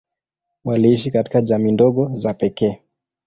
Waliishi katika jamii ndogo za pekee.